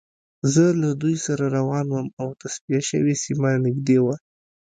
زه له دوی سره روان وم او تصفیه شوې سیمه نږدې وه